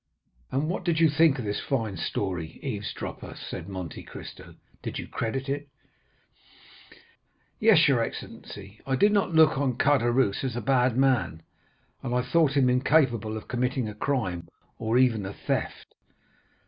"And what did you think of this fine story, eavesdropper?" said Monte Cristo; "did you credit it?" "Yes, your excellency. I did not look on Caderousse as a bad man, and I thought him incapable of committing a crime, or even a theft."